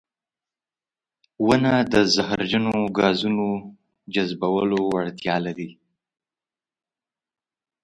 • ونه د زهرجنو ګازونو جذبولو وړتیا لري.